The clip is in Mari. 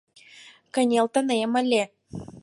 Кынелтынем ыле.